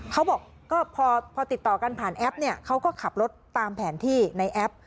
เขาบอกก็พอติดต่อกันผ่านแอปเนี่ยเขาก็ขับรถตามแผนที่ในแอป